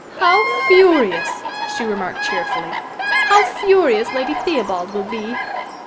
"How furious," she remarked cheerfully, "how furious Lady Theobald will be!"